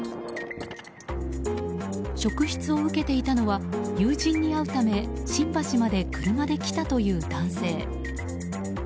職質を受けていたのは友人に会うため新橋まで車で来たという男性。